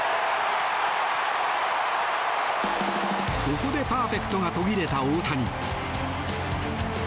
ここでパーフェクトが途切れた大谷。